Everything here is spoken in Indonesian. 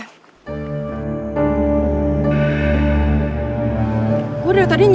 tunggu sebentar di sini